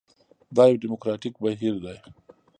دا یو ډیموکراټیک بهیر دی.